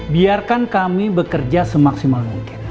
biarkan kami bekerja semaksimal mungkin